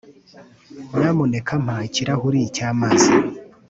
nyamuneka mpa ikirahuri cy'amazi